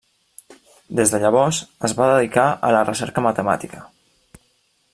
Des de llavors es va dedicar a la recerca matemàtica.